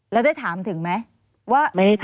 แล้วได้ถามถึงไหมว่า